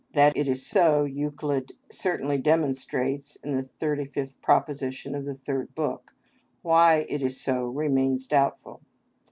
That it is so Euclid certainly demonstrates in the 35th Prop. of the Third Book; why it is so remains doubtful.